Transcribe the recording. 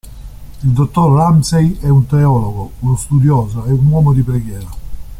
Il dottor Ramsey è un teologo, uno studioso e un uomo di preghiera.